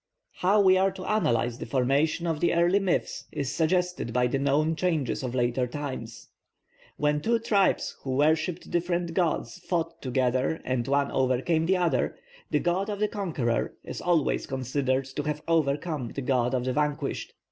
How we are to analyse the formation of the early myths is suggested by the known changes of later times. When two tribes who worshipped different gods fought together and one overcame the other, the god of the conqueror is always considered to have overcome the god of the vanquished.